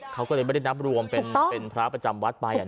เขาก็เลยไม่ได้นับรวมเป็นพระประจำวัดไป